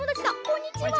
こんにちは。